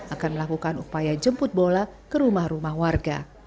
akan melakukan upaya jemput bola ke rumah rumah warga